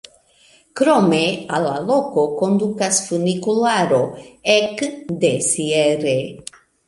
Krome al la loko kondukas funikularo ek de Sierre.